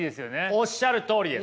おっしゃるとおりです。